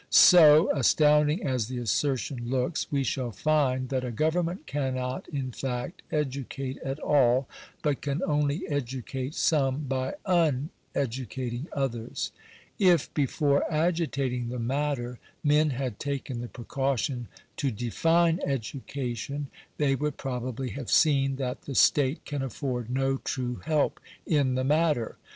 827), so, astounding as the assertion looks, we shall find that a government cannot in fact educate at all, but can only educate some by ttfteducating others. If, before agitating the matter, men had taken the precaution to define Digitized by VjOOQIC NATIONAL EDUCATION. 353 education, they would probably have seen that the state can afford no true help in the matter.